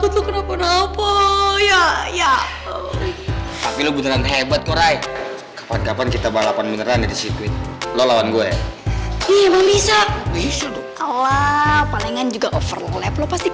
tunggu dulu beban aku energi